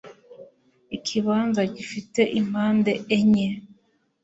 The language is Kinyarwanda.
ikibanza gifite impande enye